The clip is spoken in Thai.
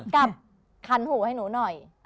กับคันหูให้หนูหน่อย